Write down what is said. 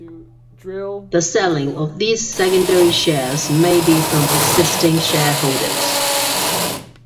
The selling of these secondary shares may be from existing shareholders.